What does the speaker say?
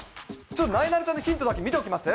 ちょっとなえなのちゃんのヒントだけ見ておきます？